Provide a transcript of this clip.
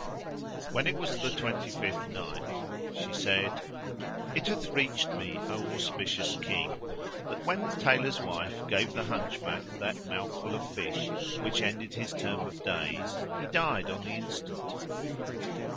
When it was the Twenty fifth Night, She said, It hath reached me, O auspicious King, that when the Tailor's wife gave the Hunchback that mouthful of fish which ended his term of days he died on the instant.